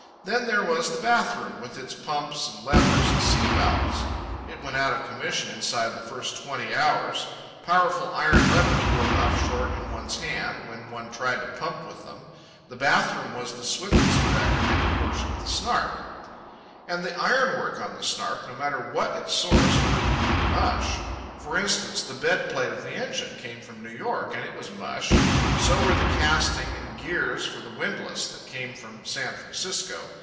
Then there was the bath room with its pumps and levers and sea valves—it went out of commission inside the first twenty hours. Powerful iron levers broke off short in one's hand when one tried to pump with them. The bath room was the swiftest wreck of any portion of the Snark. And the iron work on the Snark, no matter what its source, proved to be mush. For instance, the bed plate of the engine came from New York, and it was mush; so were the casting and gears for the windlass that came from San Francisco.